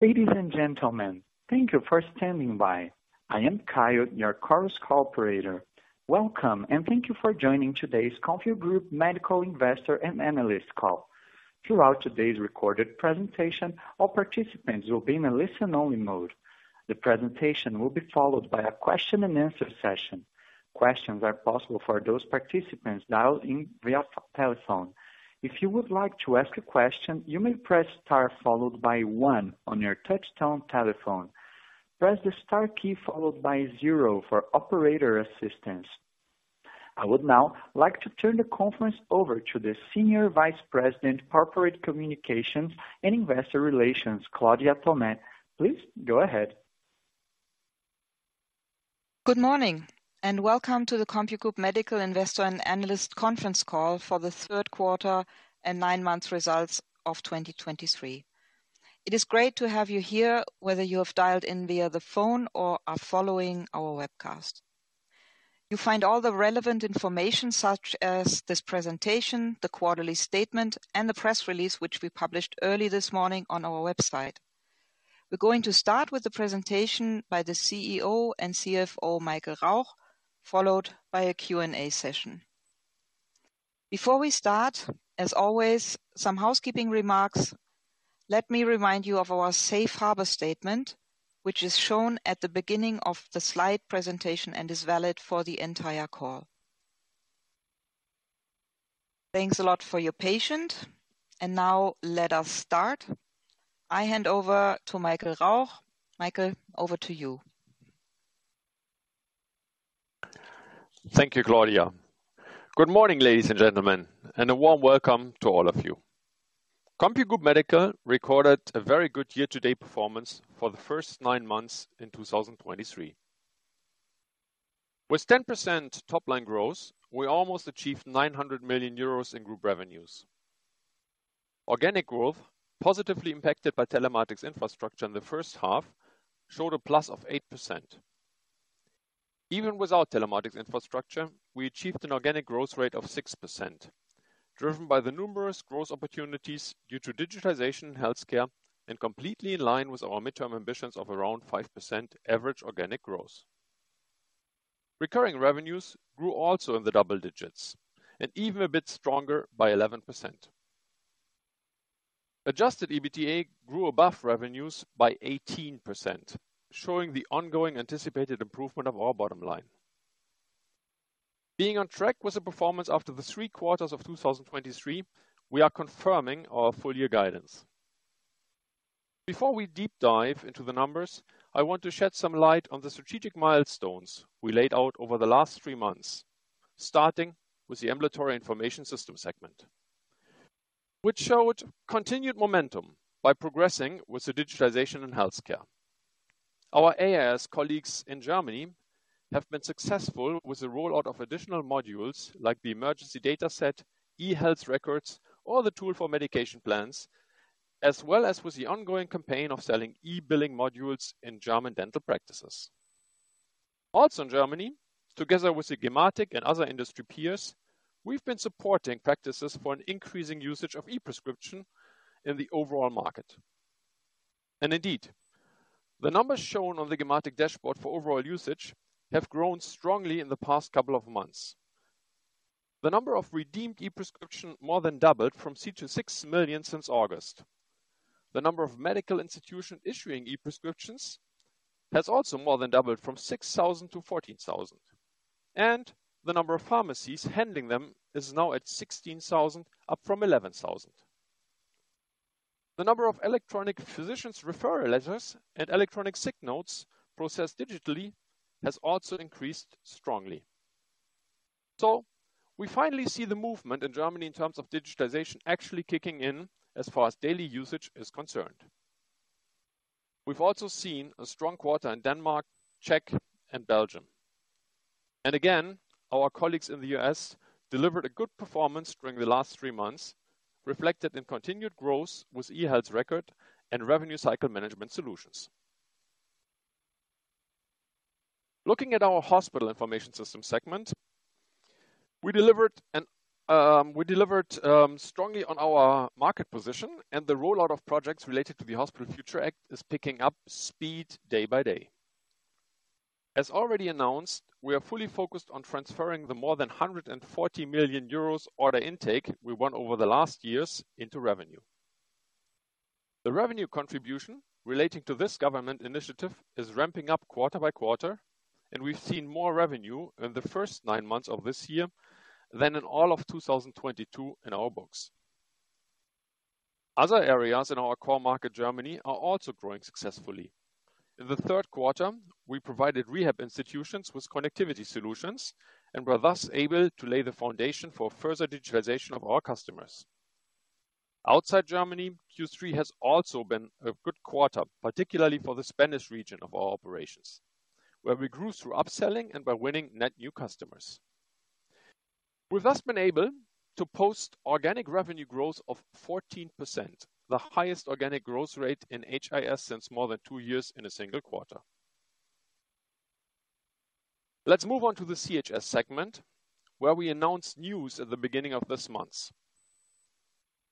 Ladies and gentlemen, thank you for standing by. I am Kyle, your Chorus Call operator. Welcome, and thank you for joining today's CompuGroup Medical Investor and Analyst call. Throughout today's recorded presentation, all participants will be in a listen-only mode. The presentation will be followed by a question-and-answer session. Questions are possible for those participants dialed in via telephone. If you would like to ask a question, you may press Star followed by one on your touchtone telephone. Press the star key followed by zero for operator assistance. I would now like to turn the conference over to the Senior Vice President, Corporate Communications and Investor Relations, Claudia Thomé. Please go ahead. Good morning, and welcome to the CompuGroup Medical Investor and Analyst conference call for the Q3 and nine-month results of 2023. It is great to have you here, whether you have dialed in via the phone or are following our webcast. You find all the relevant information, such as this presentation, the quarterly statement, and the press release, which we published early this morning on our website. We're going to start with the presentation by the CEO and CFO, Michael Rauch, followed by a Q&A session. Before we start, as always, some housekeeping remarks. Let me remind you of our safe harbor statement, which is shown at the beginning of the slide presentation and is valid for the entire call. Thanks a lot for your patience, and now let us start. I hand over to Michael Rauch. Michael, over to you. Thank you, Claudia. Good morning, ladies and gentlemen, and a warm welcome to all of you. CompuGroup Medical recorded a very good year-to-date performance for the first nine months in 2023. With 10% top-line growth, we almost achieved 900 million euros in group revenues. Organic growth, positively impacted by telematics infrastructure in the first half, showed a +8%. Even without telematics infrastructure, we achieved an organic growth rate of 6%, driven by the numerous growth opportunities due to digitization in healthcare, and completely in line with our midterm ambitions of around 5% average organic growth. Recurring revenues grew also in the double digits and even a bit stronger by 11%. Adjusted EBITDA grew above revenues by 18%, showing the ongoing anticipated improvement of our bottom line. Being on track with the performance after the three quarters of 2023, we are confirming our full year guidance. Before we deep dive into the numbers, I want to shed some light on the strategic milestones we laid out over the last three months, starting with the Ambulatory Information System segment, which showed continued momentum by progressing with the digitization in healthcare. Our AIS colleagues in Germany have been successful with the rollout of additional modules, like the emergency data set, e-health records, or the tool for medication plans, as well as with the ongoing campaign of selling e-billing modules in German dental practices. Also in Germany, together with the Gematik and other industry peers, we've been supporting practices for an increasing usage of e-prescription in the overall market. And indeed, the numbers shown on the Gematik dashboard for overall usage have grown strongly in the past couple of months. The number of redeemed e-prescription more than doubled from 6 to 6 million since August. The number of medical institutions issuing e-prescriptions has also more than doubled from 6,000 to 14,000, and the number of pharmacies handling them is now at 16,000, up from 11,000. The number of electronic physicians' referral letters and electronic sick notes processed digitally has also increased strongly. So we finally see the movement in Germany in terms of digitization actually kicking in as far as daily usage is concerned. We've also seen a strong quarter in Denmark, Czech, and Belgium. And again, our colleagues in the U.S. delivered a good performance during the last three months, reflected in continued growth with e-health record and revenue cycle management solutions. Looking at our hospital information system segment, we delivered strongly on our market position, and the rollout of projects related to the Hospital Future Act is picking up speed day by day. As already announced, we are fully focused on transferring the more than 140 million euros order intake we won over the last years into revenue. The revenue contribution relating to this government initiative is ramping up quarter by quarter, and we've seen more revenue in the first nine months of this year than in all of 2022 in our books. Other areas in our core market, Germany, are also growing successfully. In the Q3, we provided rehab institutions with connectivity solutions and were thus able to lay the foundation for further digitalization of our customers. Outside Germany, Q3 has also been a good quarter, particularly for the Spanish region of our operations, where we grew through upselling and by winning net new customers. We've thus been able to post organic revenue growth of 14%, the highest organic growth rate in HIS since more than two years in a single quarter. Let's move on to the CHS segment, where we announced news at the beginning of this month.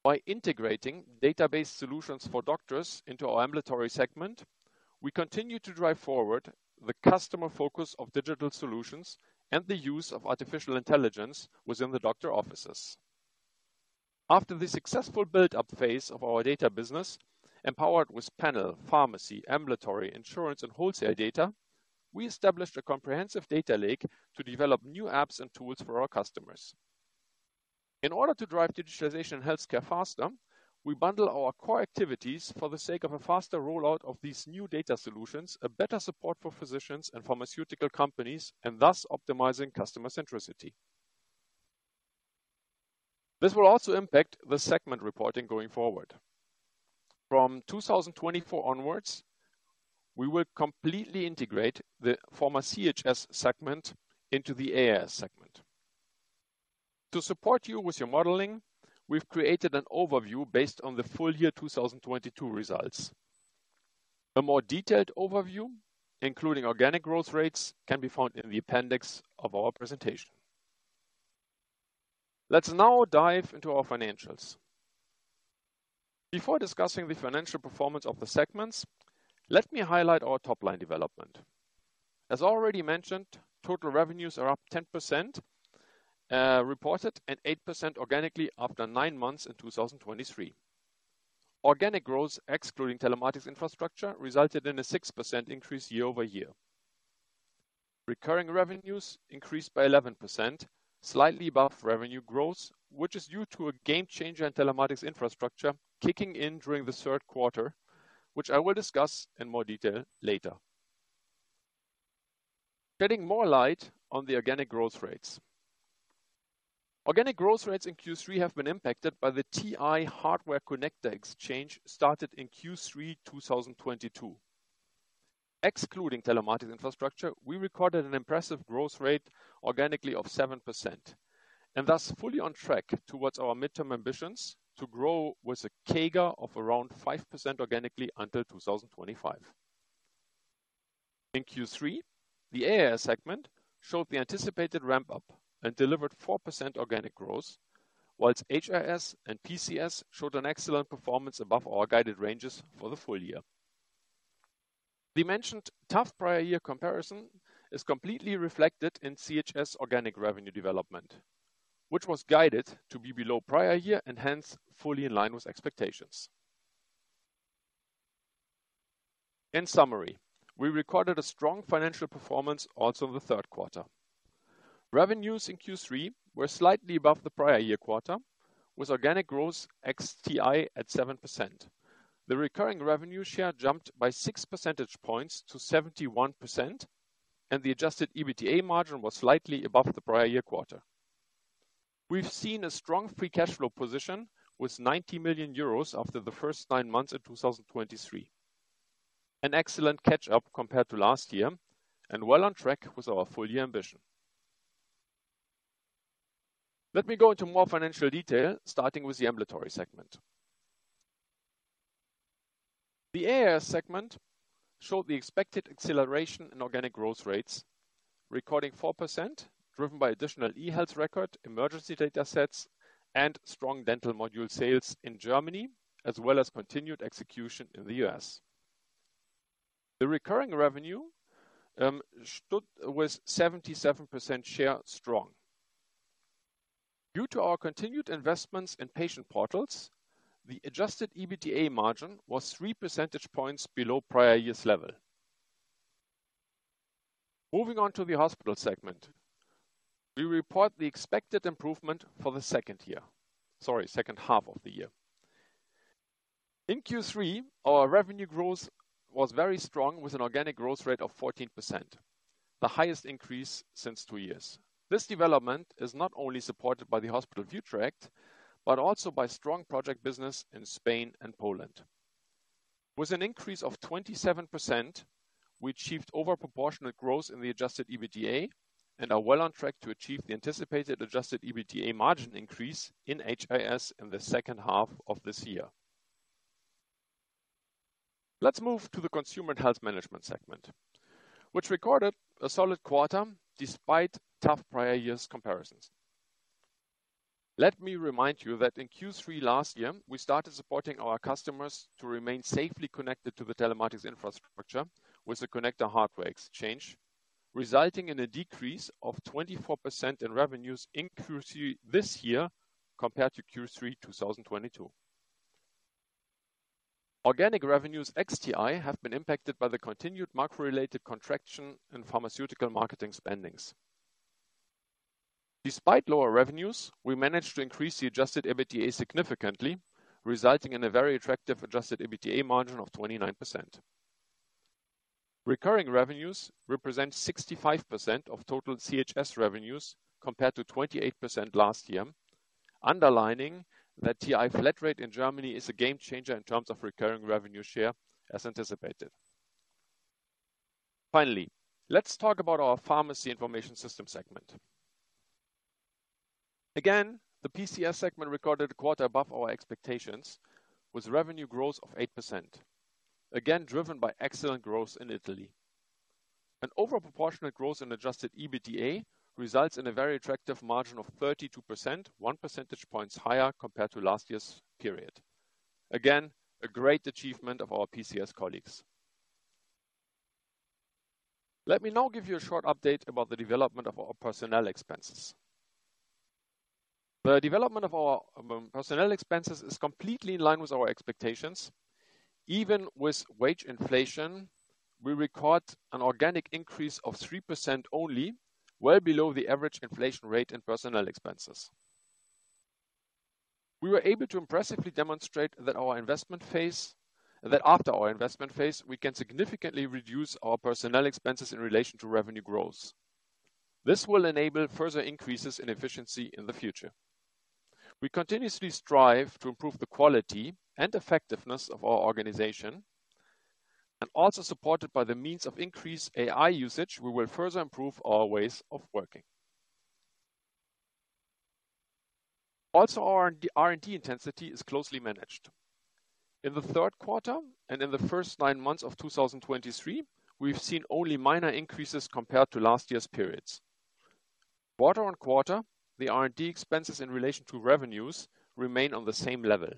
By integrating database solutions for doctors into our Ambulatory segment, we continue to drive forward the customer focus of digital solutions and the use of artificial intelligence within the doctors' offices. After the successful build-up phase of our data business, empowered with panel, pharmacy, ambulatory, insurance, and wholesale data, we established a comprehensive data lake to develop new apps and tools for our customers. In order to drive digitization in healthcare faster, we bundle our core activities for the sake of a faster rollout of these new data solutions, a better support for physicians and pharmaceutical companies, and thus optimizing customer centricity. This will also impact the segment reporting going forward. From 2024 onwards, we will completely integrate the former CHS segment into the AIS segment. To support you with your modeling, we've created an overview based on the full year 2022 results. A more detailed overview, including organic growth rates, can be found in the appendix of our presentation. Let's now dive into our financials. Before discussing the financial performance of the segments, let me highlight our top-line development. As already mentioned, total revenues are up 10%, reported, and 8% organically after 9 months in 2023. Organic growth, excluding telematics infrastructure, resulted in a 6% increase year-over-year. Recurring revenues increased by 11%, slightly above revenue growth, which is due to a game changer in telematics infrastructure kicking in during the Q3, which I will discuss in more detail later. Shedding more light on the organic growth rates. Organic growth rates in Q3 have been impacted by the TI hardware connector exchange, started in Q3 2022. Excluding telematics infrastructure, we recorded an impressive growth rate organically of 7%, and thus fully on track towards our midterm ambitions to grow with a CAGR of around 5% organically until 2025. In Q3, the AIS segment showed the anticipated ramp-up and delivered 4% organic growth, while HIS and PCS showed an excellent performance above our guided ranges for the full year. The mentioned tough prior year comparison is completely reflected in CHS organic revenue development, which was guided to be below prior year and hence fully in line with expectations. In summary, we recorded a strong financial performance also in the Q3. Revenues in Q3 were slightly above the prior year quarter, with organic growth ex TI at 7%. The recurring revenue share jumped by six percentage points to 71%, and the Adjusted EBITDA margin was slightly above the prior year quarter. We've seen a strong free cash flow position with 90 million euros after the first nine months in 2023. An excellent catch-up compared to last year and well on track with our full year ambition. Let me go into more financial detail, starting with the Ambulatory segment. The AIS segment showed the expected acceleration in organic growth rates, recording 4%, driven by additional e-health record, emergency data sets, and strong dental module sales in Germany, as well as continued execution in the U.S. The recurring revenue stood with 77% share strong. Due to our continued investments in patient portals, the Adjusted EBITDA margin was 3 percentage points below prior year's level. Moving on to the Hospital segment, we report the expected improvement for the second year, sorry, second half of the year. In Q3, our revenue growth was very strong, with an organic growth rate of 14%, the highest increase since 2 years. This development is not only supported by the Hospital Future Act, but also by strong project business in Spain and Poland. With an increase of 27%, we achieved over proportionate growth in the Adjusted EBITDA and are well on track to achieve the anticipated Adjusted EBITDA margin increase in HIS in the second half of this year. Let's move to the Consumer and Health Management segment, which recorded a solid quarter despite tough prior years comparisons. Let me remind you that in Q3 last year, we started supporting our customers to remain safely connected to the telematics infrastructure with the connector hardware exchange, resulting in a decrease of 24% in revenues in Q3 this year compared to Q3 2022. Organic revenues ex TI have been impacted by the continued macro-related contraction in pharmaceutical marketing spending. Despite lower revenues, we managed to increase the Adjusted EBITDA significantly, resulting in a very attractive Adjusted EBITDA margin of 29%. Recurring revenues represent 65% of total CHS revenues, compared to 28% last year, underlining that TI Flat Rate in Germany is a game changer in terms of recurring revenue share as anticipated. Finally, let's talk about our Pharmacy Information System segment. Again, the PCS segment recorded a quarter above our expectations, with revenue growth of 8%, again, driven by excellent growth in Italy. An over proportionate growth in Adjusted EBITDA results in a very attractive margin of 32%, 1 percentage points higher compared to last year's period. Again, a great achievement of our PCS colleagues. Let me now give you a short update about the development of our personnel expenses. The development of our personnel expenses is completely in line with our expectations. Even with wage inflation, we record an organic increase of 3% only, well below the average inflation rate and personnel expenses. We were able to impressively demonstrate that our investment phase, that after our investment phase, we can significantly reduce our personnel expenses in relation to revenue growth. This will enable further increases in efficiency in the future. We continuously strive to improve the quality and effectiveness of our organization, and also supported by the means of increased AI usage, we will further improve our ways of working. Also, our R&D intensity is closely managed. In the Q3, and in the first nine months of 2023, we've seen only minor increases compared to last year's periods. Quarter-on-quarter, the R&D expenses in relation to revenues remain on the same level,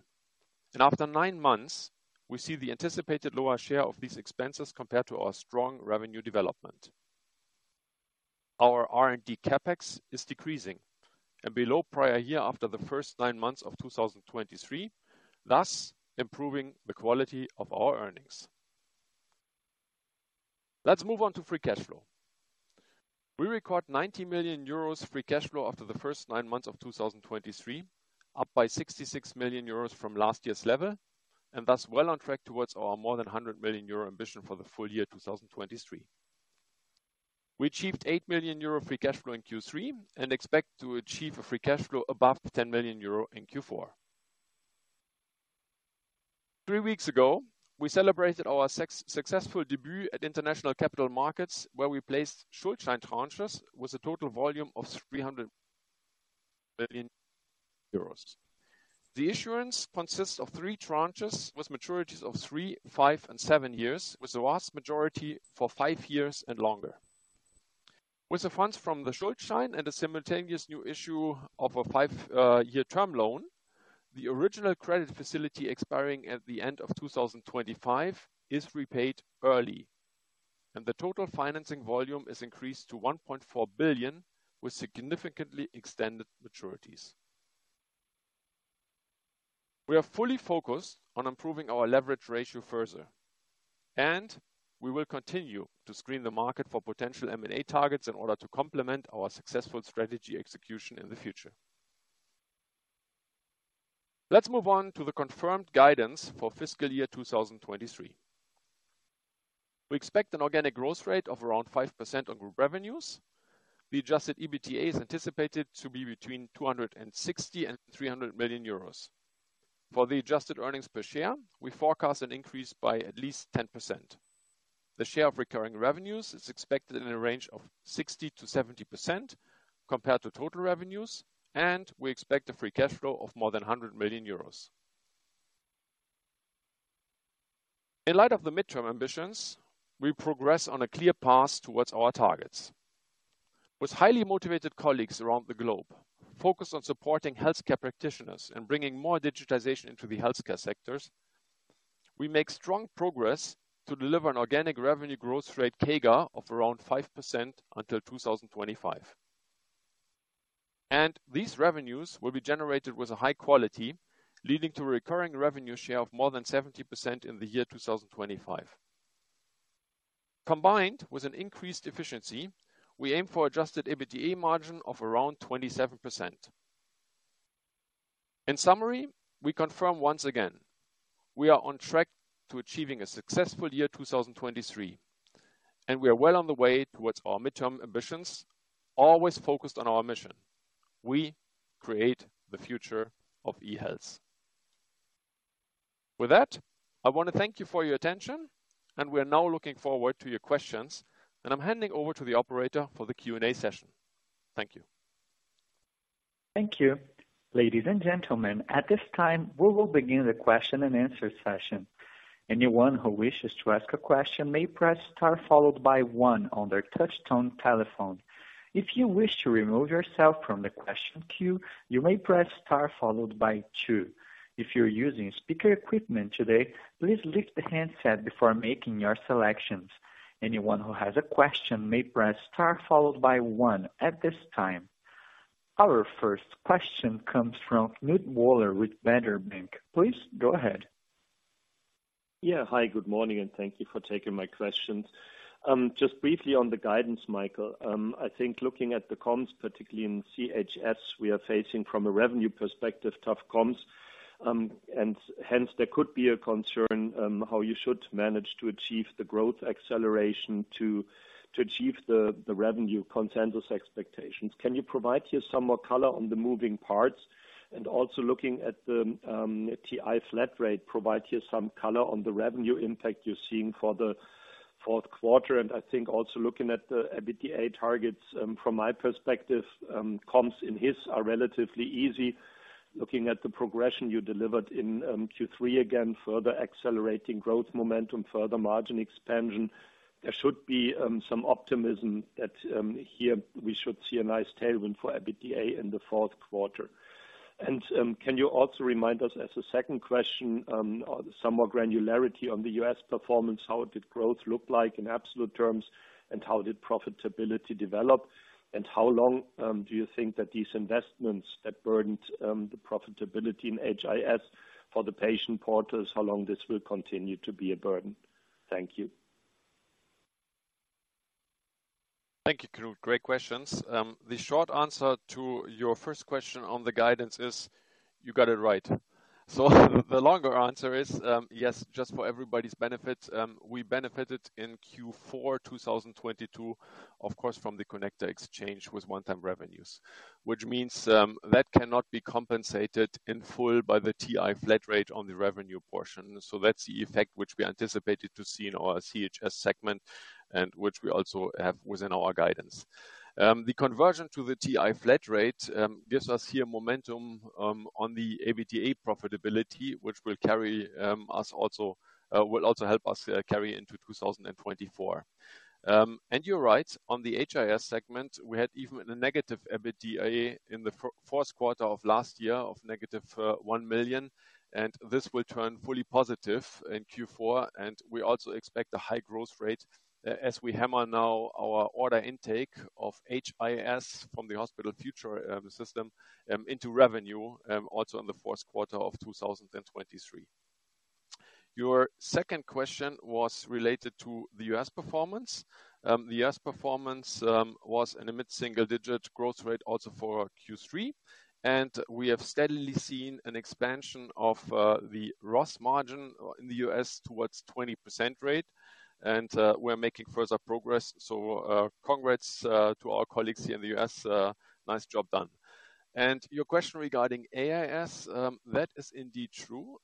and after nine months, we see the anticipated lower share of these expenses compared to our strong revenue development. Our R&D CapEx is decreasing and below prior year after the first nine months of 2023, thus improving the quality of our earnings. Let's move on to free cash flow. We record 90 million euros free cash flow after the first nine months of 2023, up by 66 million euros from last year's level, and thus well on track towards our more than 100 million euro ambition for the full year 2023. We achieved 8 million euro free cash flow in Q3 and expect to achieve a free cash flow above 10 million euro in Q4. Three weeks ago, we celebrated our successful debut at international capital markets, where we placed Schuldschein tranches with a total volume of 300 million euros. The insurance consists of three tranches, with maturities of 3, 5, and 7 years, with the vast majority for 5 years and longer. With the funds from the Schuldschein and a simultaneous new issue of a five-year term loan, the original credit facility expiring at the end of 2025 is repaid early, and the total financing volume is increased to 1.4 billion, with significantly extended maturities. We are fully focused on improving our leverage ratio further, and we will continue to screen the market for potential M&A targets in order to complement our successful strategy execution in the future. Let's move on to the confirmed guidance for fiscal year 2023. We expect an organic growth rate of around 5% on group revenues. The adjusted EBITDA is anticipated to be between 260 million and 300 million euros. For the adjusted earnings per share, we forecast an increase by at least 10%. The share of recurring revenues is expected in a range of 60%-70% compared to total revenues, and we expect a free cash flow of more than 100 million euros. In light of the midterm ambitions, we progress on a clear path towards our targets. With highly motivated colleagues around the globe, focused on supporting healthcare practitioners and bringing more digitization into the healthcare sectors, we make strong progress to deliver an organic revenue growth rate CAGR of around 5% until 2025. And these revenues will be generated with a high quality, leading to a recurring revenue share of more than 70% in the year 2025. Combined with an increased efficiency, we aim for Adjusted EBITDA margin of around 27%. In summary, we confirm once again, we are on track to achieving a successful year 2023, and we are well on the way towards our midterm ambitions, always focused on our mission: We create the future of eHealth. With that, I want to thank you for your attention, and we are now looking forward to your questions, and I'm handing over to the operator for the Q&A session. Thank you. Thank you. Ladies and gentlemen, at this time, we will begin the question and answer session. Anyone who wishes to ask a question may press star followed by one on their touch tone telephone. If you wish to remove yourself from the question queue, you may press star followed by two. If you're using speaker equipment today, please lift the handset before making your selections. Anyone who has a question may press star followed by one at this time. Our first question comes from Knut Woller with Baader Bank. Please go ahead. Yeah. Hi, good morning, and thank you for taking my questions. Just briefly on the guidance, Michael, I think looking at the comps, particularly in CHS, we are facing, from a revenue perspective, tough comps. And hence, there could be a concern how you should manage to achieve the growth acceleration to achieve the revenue consensus expectations. Can you provide here some more color on the moving parts? And also looking at the TI Flat Rate, provide here some color on the revenue impact you're seeing for the Q4. And I think also looking at the EBITDA targets, from my perspective, comps in HIS are relatively easy. Looking at the progression you delivered in Q3, again, further accelerating growth momentum, further margin expansion, there should be some optimism that here we should see a nice tailwind for EBITDA in the Q4. Can you also remind us, as a second question, some more granularity on the U.S. performance, how did growth look like in absolute terms, and how did profitability develop? How long do you think that these investments that burdened the profitability in HIS for the patient portals, how long this will continue to be a burden? Thank you. Thank you, Knut. Great questions. The short answer to your first question on the guidance is, you got it right. So the longer answer is, yes, just for everybody's benefit, we benefited in Q4 2022, of course, from the connector exchange with one-time revenues. Which means, that cannot be compensated in full by the TI Flat Rate on the revenue portion. So that's the effect which we anticipated to see in our CHS segment, and which we also have within our guidance. The conversion to the TI Flat Rate gives us here momentum on the EBITDA profitability, which will also help us carry into 2024. And you're right, on the HIS segment, we had even a negative EBITDA in the Q4 of last year of negative 1 million, and this will turn fully positive in Q4. And we also expect a high growth rate as we hammer now our order intake of HIS from the Hospital Future system into revenue also in the Q4 of 2023. Your second question was related to the US performance. The US performance was in a mid-single-digit growth rate also for Q3, and we have steadily seen an expansion of the ROS margin in the US towards 20% rate, and we're making further progress. So, congrats to our colleagues here in the US, nice job done. And your question regarding AIS, that is indeed true.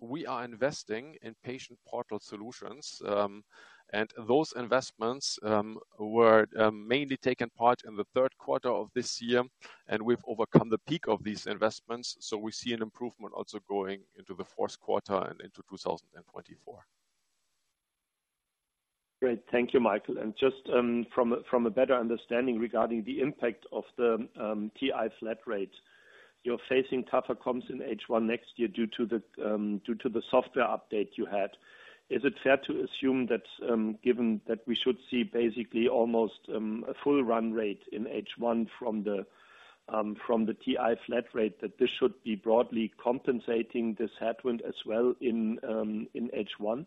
We are investing in patient portal solutions, and those investments were mainly taken part in the Q3 of this year, and we've overcome the peak of these investments, so we see an improvement also going into the Q4 and into 2024. Great. Thank you, Michael. And just from a better understanding regarding the impact of the TI Flat Rate, you're facing tougher comps in H1 next year, due to the software update you had. Is it fair to assume that, given that we should see basically almost a full run rate in H1 from the TI Flat Rate, that this should be broadly compensating this headwind as well in H1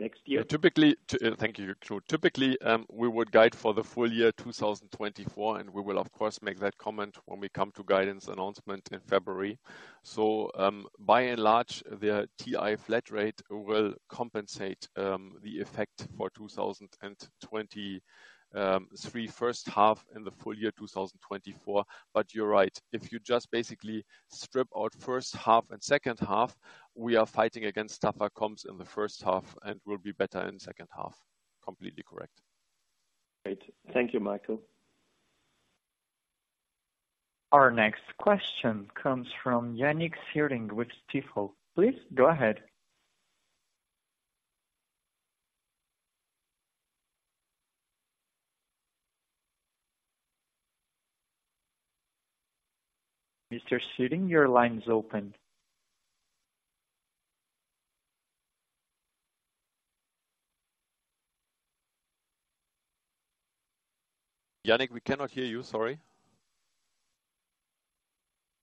next year? Typically, thank you, Knut. Typically, we would guide for the full year 2024, and we will, of course, make that comment when we come to guidance announcement in February. So, by and large, the TI Flat Rate will compensate the effect for 2023 first half in the full year 2024. But you're right. If you just basically strip out first half and second half, we are fighting against tougher comps in the first half and will be better in the second half. Completely correct. Great. Thank you, Michael. Our next question comes from Yannik Führing with Stifel. Please go ahead. Mr. Führing, your line is open. Yannick, we cannot hear you, sorry.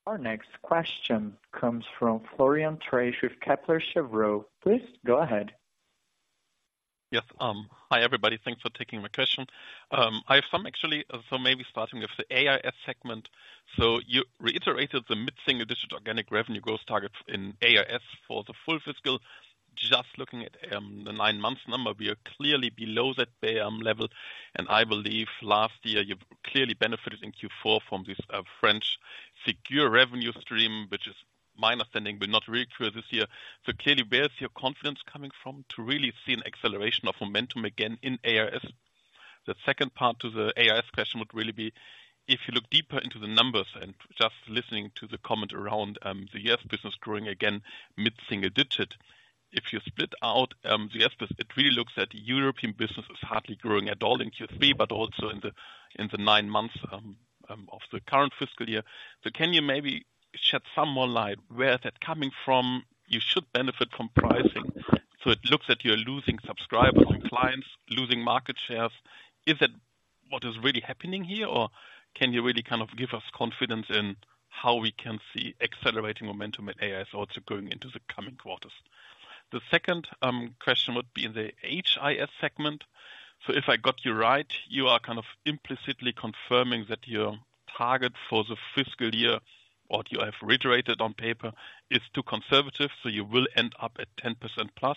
Our next question comes from Florian Treisch with Kepler Cheuvreux. Please go ahead. Yes. Hi, everybody. Thanks for taking my question. I have some actually, so maybe starting with the AIS segment. So you reiterated the mid-single digit organic revenue growth targets in AIS for the full fiscal. Just looking at the nine-month number, we are clearly below that bar level, and I believe last year you clearly benefited in Q4 from this French Ségur revenue stream, which is my understanding, but not really clear this year. So clearly, where is your confidence coming from to really see an acceleration of momentum again in AIS? The second part to the AIS question would really be, if you look deeper into the numbers and just listening to the comment around the US business growing again, mid-single digit. If you split out the AIS, it really looks at European business is hardly growing at all in Q3, but also in the nine months of the current fiscal year. So can you maybe shed some more light where is that coming from? You should benefit from pricing. So it looks that you're losing subscribers and clients, losing market shares. Is that what is really happening here, or can you really kind of give us confidence in how we can see accelerating momentum at AIS also going into the coming quarters? The second question would be in the HIS segment. So if I got you right, you are kind of implicitly confirming that your target for the fiscal year, what you have reiterated on paper, is too conservative, so you will end up at 10%+.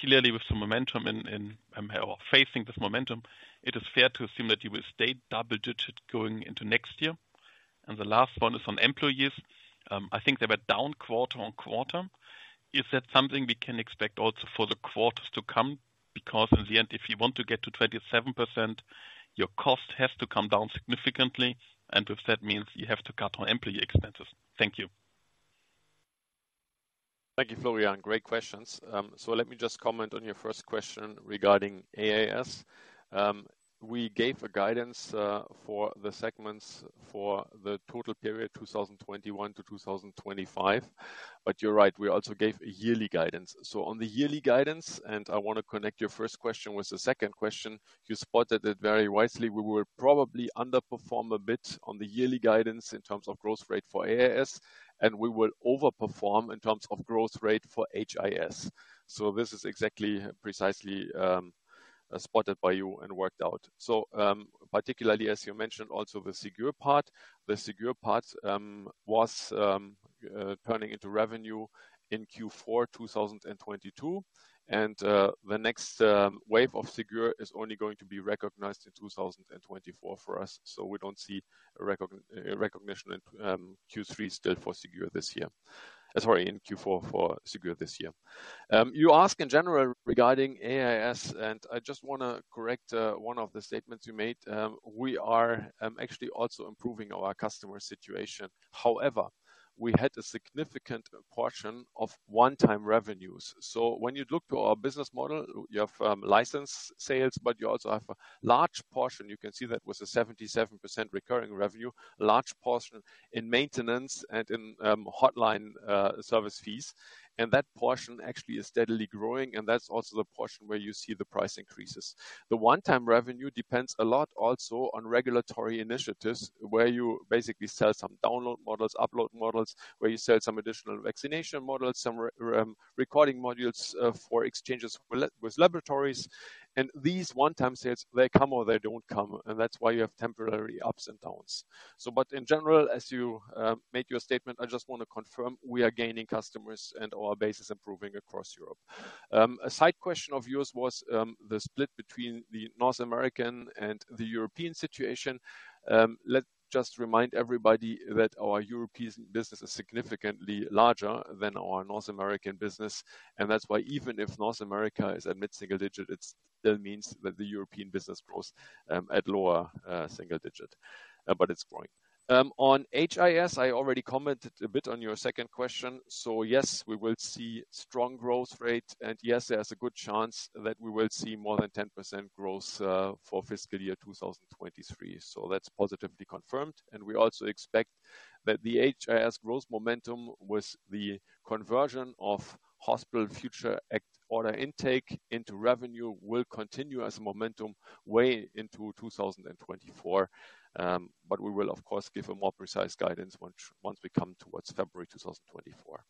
Clearly, with the momentum in or facing this momentum, it is fair to assume that you will stay double digit going into next year. And the last one is on employees. I think they were down quarter-on-quarter. Is that something we can expect also for the quarters to come? Because in the end, if you want to get to 27%, your cost has to come down significantly, and if that means you have to cut on employee expenses. Thank you. Thank you, Florian. Great questions. So let me just comment on your first question regarding AIS. We gave a guidance, for the segments for the total period, 2021 to 2025. But you're right, we also gave a yearly guidance. So on the yearly guidance, and I want to connect your first question with the second question, you spotted it very wisely. We will probably underperform a bit on the yearly guidance in terms of growth rate for AIS, and we will overperform in terms of growth rate for HIS. So this is exactly, precisely, spotted by you and worked out. So, particularly as you mentioned, also, the Ségur part. The Ségur part was turning into revenue in Q4 2022, and the next wave of Ségur is only going to be recognized in 2024 for us, so we don't see a recognition in Q3 still for Ségur this year. Sorry, in Q4 for Ségur this year. You ask in general regarding AIS, and I just want to correct one of the statements you made. We are actually also improving our customer situation. However, we had a significant portion of one-time revenues. So when you look to our business model, you have license sales, but you also have a large portion, you can see that with a 77% recurring revenue, large portion in maintenance and in hotline service fees. That portion actually is steadily growing, and that's also the portion where you see the price increases. The one-time revenue depends a lot also on regulatory initiatives, where you basically sell some download models, upload models, where you sell some additional vaccination models, some recording modules, for exchanges with laboratories. And these one-time sales, they come or they don't come, and that's why you have temporary ups and downs. But in general, as you made your statement, I just want to confirm we are gaining customers and our base is improving across Europe. A side question of yours was the split between the North American and the European situation. Let's just remind everybody that our European business is significantly larger than our North American business, and that's why even if North America is at mid-single digit, it still means that the European business grows at lower single digit, but it's growing. On HIS, I already commented a bit on your second question, so yes, we will see strong growth rate, and yes, there's a good chance that we will see more than 10% growth for fiscal year 2023. So that's positively confirmed, and we also expect that the HIS growth momentum, with the conversion of Hospital Future Act order intake into revenue, will continue as a momentum way into 2024. But we will, of course, give a more precise guidance once we come towards February 2024.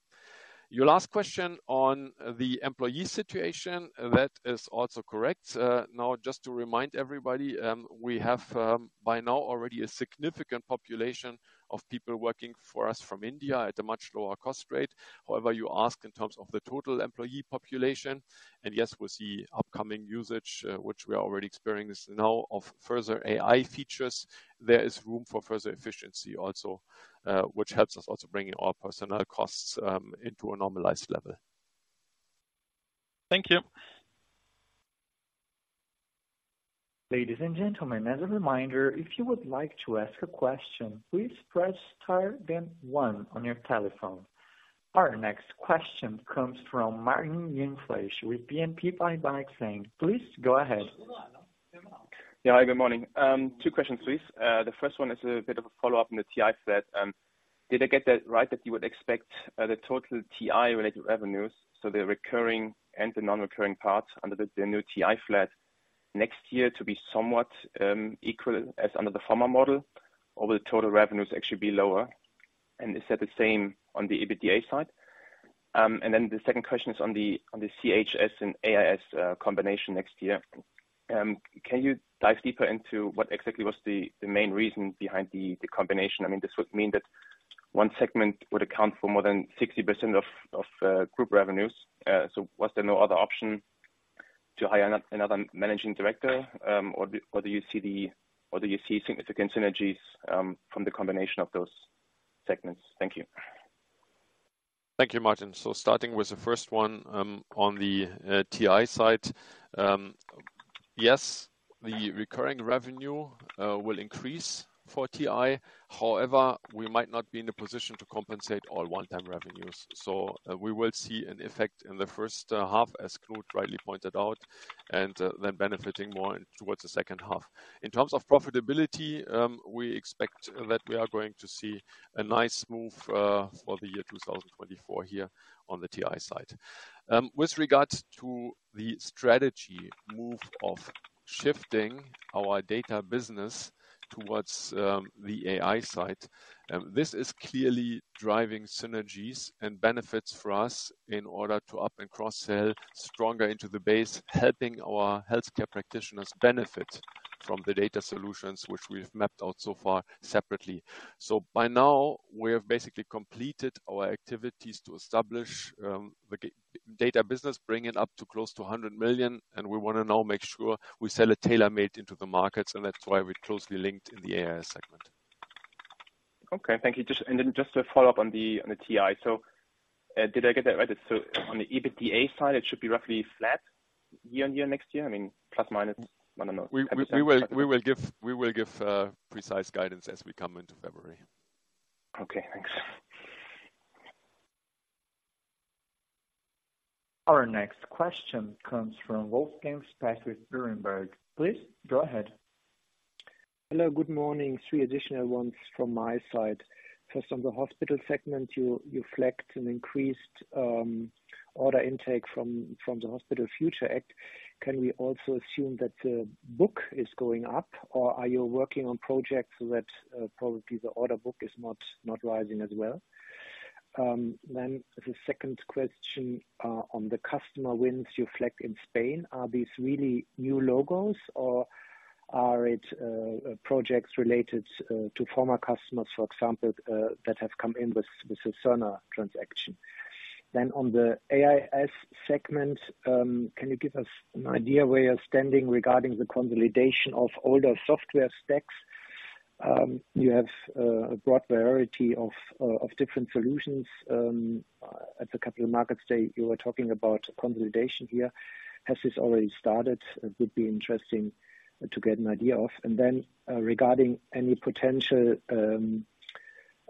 Your last question on the employee situation, that is also correct. Now, just to remind everybody, we have, by now already a significant population of people working for us from India at a much lower cost rate. However, you ask in terms of the total employee population, and yes, we see upcoming usage, which we are already experiencing now of further AI features. There is room for further efficiency also, which helps us also bringing our personnel costs into a normalized level. Thank you. Ladies and gentlemen, as a reminder, if you would like to ask a question, please press star, then one on your telephone. Our next question comes from Martin Jungfleisch with BNP Paribas. Please go ahead. Yeah, good morning. Two questions, please. The first one is a bit of a follow-up on the TI set. Did I get that right, that you would expect the total TI-related revenues, so the recurring and the non-recurring parts under the new TI flat next year, to be somewhat equal as under the former model? Or will the total revenues actually be lower, and is that the same on the EBITDA side? And then the second question is on the CHS and AIS combination next year. Can you dive deeper into what exactly was the main reason behind the combination? I mean, this would mean that one segment would account for more than 60% of group revenues. Was there no other option to hire another managing director, or do you see significant synergies from the combination of those segments? Thank you. Thank you, Martin. So starting with the first one, on the TI side. Yes, the recurring revenue will increase for TI. However, we might not be in a position to compensate all one-time revenues, so we will see an effect in the first half, as Claudia rightly pointed out, and then benefiting more towards the second half. In terms of profitability, we expect that we are going to see a nice move for the year 2024 here on the TI side. With regards to the strategy move of shifting our data business towards the AI side, this is clearly driving synergies and benefits for us in order to up- and cross-sell stronger into the base, helping our healthcare practitioners benefit from the data solutions, which we've mapped out so far separately. By now, we have basically completed our activities to establish the data business, bring it up to close to 100 million, and we want to now make sure we sell it tailor-made into the markets, and that's why we're closely linked in the AIS segment. Okay, thank you. Just and then just to follow up on the TI. So, did I get that right? So on the EBITDA side, it should be roughly flat? Year-on-year, next year, I mean, plus, minus, I don't know. We will give precise guidance as we come into February. Okay, thanks. Our next question comes from Wolfgang Specht with Berenberg. Please, go ahead. Hello, good morning. Three additional ones from my side. First, on the hospital segment, you reflect an increased order intake from the Hospital Future Act. Can we also assume that the book is going up, or are you working on projects that probably the order book is not rising as well? Then the second question on the customer wins you reflect in Spain, are these really new logos, or are it projects related to former customers, for example, that have come in with the Cerner transaction? Then on the AIS segment, can you give us an idea where you're standing regarding the consolidation of older software stacks? You have a broad variety of different solutions. At the capital markets day, you were talking about consolidation here. Has this already started? It would be interesting to get an idea of. Then, regarding any potential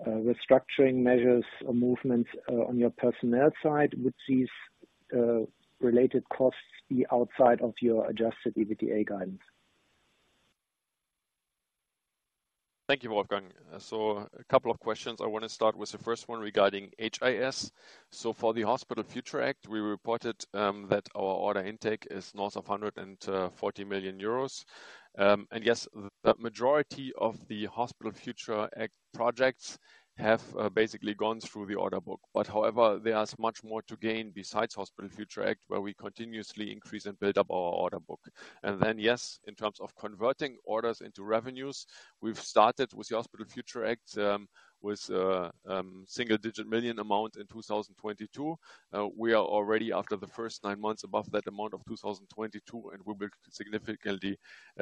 restructuring measures or movements on your personnel side, would these related costs be outside of your Adjusted EBITDA guidance? Thank you, Wolfgang. So a couple of questions. I want to start with the first one regarding HIS. So for the Hospital Future Act, we reported that our order intake is north of 140 million euros. And yes, the majority of the Hospital Future Act projects have basically gone through the order book. But however, there is much more to gain besides Hospital Future Act, where we continuously increase and build up our order book. And then, yes, in terms of converting orders into revenues, we've started with the Hospital Future Act with single-digit million EUR amount in 2022. We are already after the first nine months above that amount of 2022, and we will significantly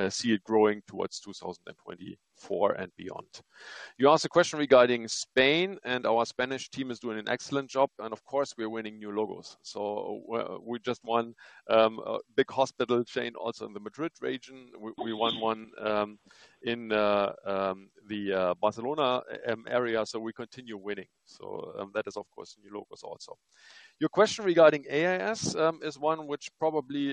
see it growing towards 2024 and beyond. You asked a question regarding Spain, and our Spanish team is doing an excellent job, and of course, we are winning new logos. So, we just won a big hospital chain also in the Madrid region. We won one in the Barcelona area, so we continue winning. So, that is, of course, new logos also. Your question regarding AIS is one which probably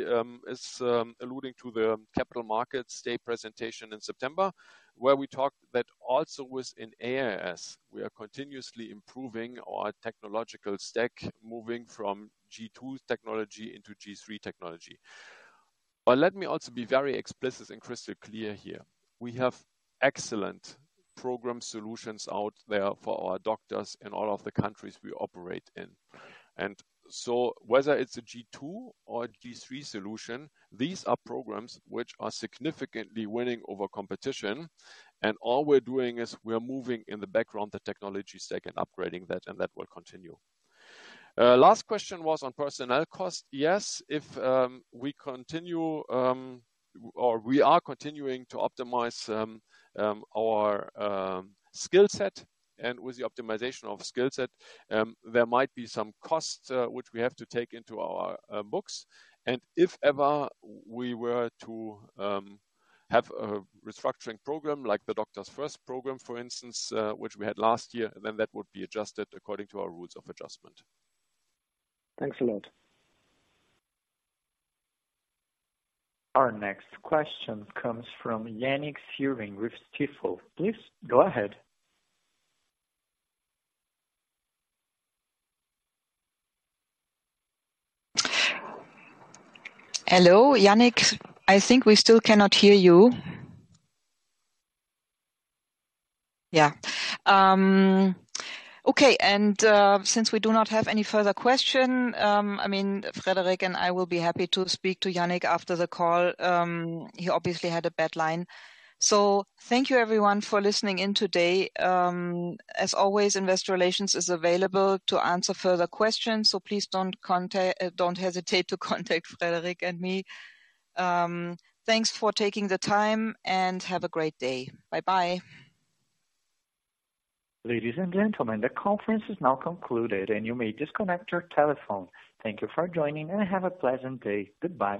is alluding to the capital markets state presentation in September, where we talked that also with in AIS, we are continuously improving our technological stack, moving from G2 technology into G3 technology. But let me also be very explicit and crystal clear here. We have excellent program solutions out there for our doctors in all of the countries we operate in. And so whether it's a G2 or a G3 solution, these are programs which are significantly winning over competition, and all we're doing is we are moving in the background, the technology stack, and upgrading that, and that will continue. Last question was on personnel costs. Yes, if we continue or we are continuing to optimize our skill set, and with the optimization of skill set, there might be some costs which we have to take into our books. And if ever we were to have a restructuring program, like the Doctors First program, for instance, which we had last year, then that would be adjusted according to our rules of adjustment. Thanks a lot. Our next question comes from Yannik Führing with Stifel. Please, go ahead. Hello, Yannik, I think we still cannot hear you. Yeah. Okay, and since we do not have any further questions, I mean, Frederick and I will be happy to speak to Yannick after the call. He obviously had a bad line. So thank you everyone for listening in today. As always, Investor Relations is available to answer further questions, so please don't hesitate to contact Frederick and me. Thanks for taking the time, and have a great day. Bye-bye. Ladies and gentlemen, the conference is now concluded, and you may disconnect your telephone. Thank you for joining, and have a pleasant day. Goodbye.